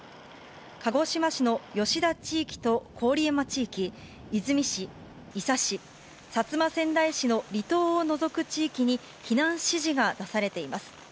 鹿児島市の吉田地域と郡山地域、出水市、伊佐市、薩摩川内市の離島を除く地域に避難指示が出されています。